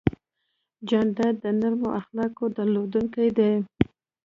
جانداد د نرمو اخلاقو درلودونکی دی.